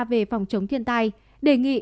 về phòng chống thiên tai đề nghị